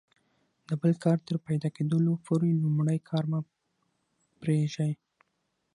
د بل کار تر پیدا کیدلو پوري لومړی کار مه پرېږئ!